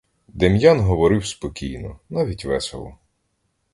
Дем'ян говорив спокійно, навіть весело.